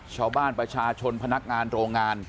ชาวบ้านประชาชนพนักงานโรงงาน